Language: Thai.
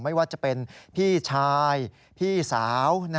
ไม่ว่าจะเป็นพี่ชายพี่สาว